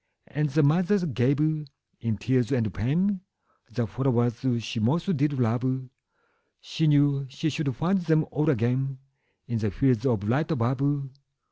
'' And the mother gave, in tears and pain, The flowers she most did love; She knew she should find them all again In the fields of light above.